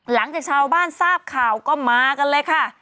หลังจากชาวบ้านทราบข่าวก็มากันเลยค่ะ